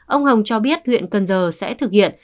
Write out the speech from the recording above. ông hồng cho biết huyện cần giờ sẽ thực hiện